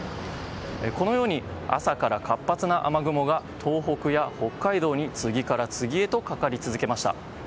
このように朝から活発な雨雲が東北や北海道に次から次へとかかり続けました。